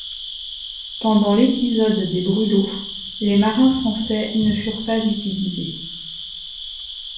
Pendant l'épisode des brûlot, les marins francais ne furent pas utilisés.